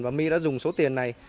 và my đã dùng số tiền này